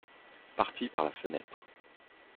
Parti par la fenêtre.